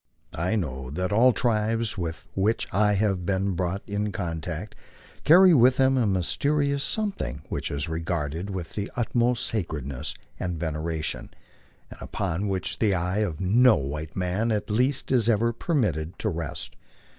I know that all tribes with which I have been brought iu contact carry with them a mysterious something which is regarded with the utmost sacredness and veneration, and upon which the eye of no white man at least is ever permitted to rest.